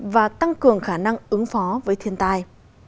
và tăng cường khả năng ứng phó với thiên tai